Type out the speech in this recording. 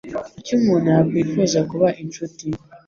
Kuki umuntu yakwifuza kuba inshuti?